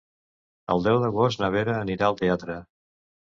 El deu d'agost na Vera anirà al teatre.